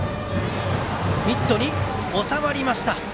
ミットに収まりました。